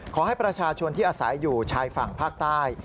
ขอให้ประชาชนที่อาศัยอยู่ชายฝั่งภาคใต้